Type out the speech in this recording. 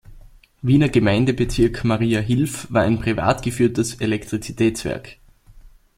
Wiener Gemeindebezirk Mariahilf war ein privat geführtes Elektrizitätswerk.